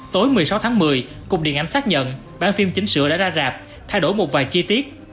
tối một mươi sáu tháng một mươi cục điện ảnh xác nhận bản phim chính sửa đã ra rạp thay đổi một vài chi tiết